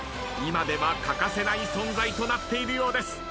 今では欠かせない存在となっているようです。